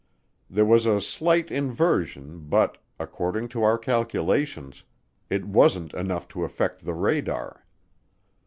There was a slight inversion but, according to our calculations, it wasn't enough to affect the radar.